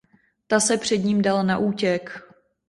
Ta se před ním dala na útěk.